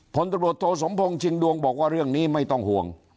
ผลตำรวจโทสมพงษ์ดวงบอกว่าเรื่องนี้ไม่ต้องห่วง